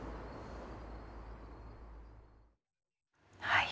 はい。